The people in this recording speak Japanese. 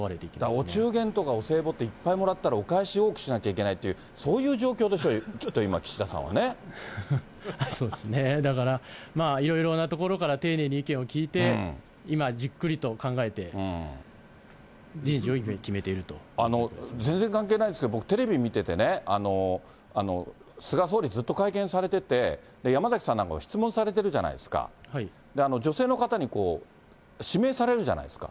お中元とかお歳暮っていっぱいもらったらお返し多くしなきゃいけないっていうそういう状況ですよ、きっと今、そうですね、だからいろいろなところから丁寧に意見を聞いて、今、じっくりと考えて人事を今、全然関係ないんですけど、僕、テレビ見ててね、菅総理、ずっと会見されてて、山崎さんなんかが質問されてるじゃないですか、女性の方に指名されるじゃないですか。